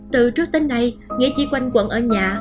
từ trước tới nay nghĩa chỉ quanh quận ở nhà